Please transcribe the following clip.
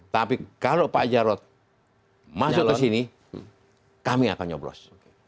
tapi kalau pak jarod masuk ke sini kami akan nyoblos